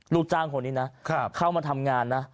ลูกจ้างคนนี้นะเข้ามาทำงานนะ